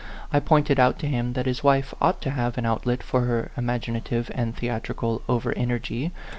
I pointed out to him that his wife ought to have an outlet for her imaginative and the atrical over energy.